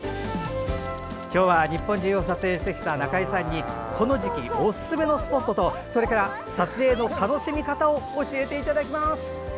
今日は日本中を撮影してきた中井さんにこの時期におすすめのスポットと撮影の楽しみ方を教えていただきます。